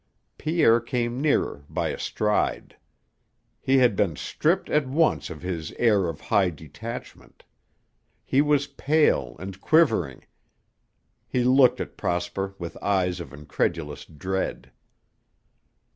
Pierre came nearer by a stride. He had been stripped at once of his air of high detachment. He was pale and quivering. He looked at Prosper with eyes of incredulous dread.